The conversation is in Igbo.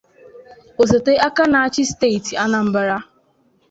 osote aka na-achị steeti Anambra